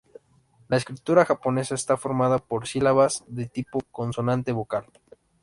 La escritura japonesa está formada por sílabas de tipo "consonante-vocal".